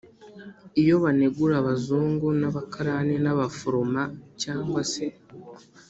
iyo banegura abazungu n' abakarani n' abaforoma; cyangwa se